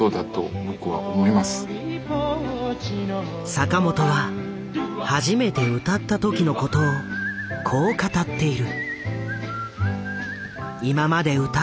坂本は初めて歌った時のことをこう語っている。